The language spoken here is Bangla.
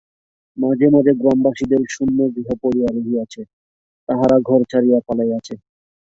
মাঝে মাঝে গ্রামবাসীদের শূন্য গৃহ পড়িয়া রহিয়াছে, তাহারা ঘর ছাড়িয়া পালাইয়াছে।